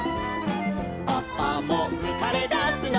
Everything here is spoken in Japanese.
「パパもうかれだすの」